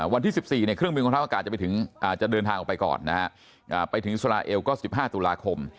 วันที่๑๔เครื่องบินกองทัพอากาศจะเดินทางออกไปก่อนนะฮะไปถึงอิสราเอลก็๑๕ตุลาคม